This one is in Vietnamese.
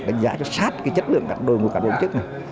đánh giá cho sát cái chất lượng đối mục cán bộ công chức này